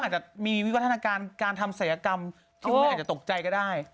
เขามีพิวัฒนาการทำศัยกรรมที่อาจจะตกใจก็ได้